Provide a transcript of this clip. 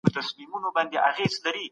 ژبه د ودې ځواک لري.